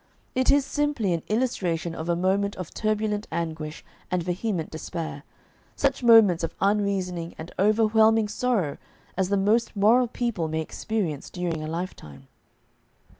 It is simply an illustration of a moment of turbulent anguish and vehement despair, such moments of unreasoning and overwhelming sorrow as the most moral people may experience during a lifetime.